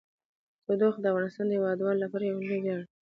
تودوخه د افغانستان د هیوادوالو لپاره یو لوی ویاړ دی.